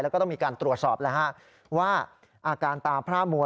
แล้วก็ต้องมีการตรวจสอบว่าอาการตาพร่ามัว